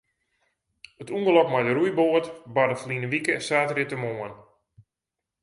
It ûngelok mei de roeiboat barde ferline wike saterdeitemoarn.